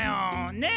ねえ。